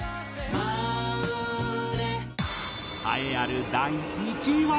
栄えある第１位は。